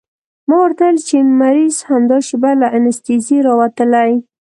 ما ورته وويل چې مريض همدا شېبه له انستيزۍ راوتلى.